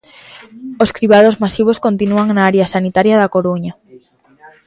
Os cribados masivos continúan na área sanitaria da Coruña.